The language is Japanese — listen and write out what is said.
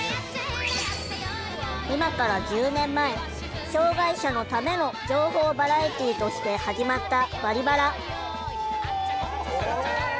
今から１０年前「障害者のための情報バラエティー」として始まった「バリバラ」。